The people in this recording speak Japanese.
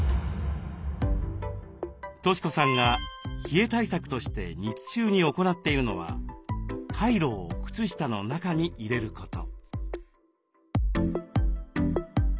俊子さんが冷え対策として日中に行っているのはカイロを靴下の中に入れること。